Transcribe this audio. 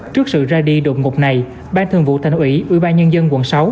trước sự ra đi đột ngục này bang thường vụ thành ủy ủy ban nhân dân quận sáu